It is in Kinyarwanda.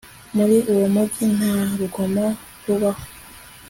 Muri uwo mujyi nta rugomo rubaho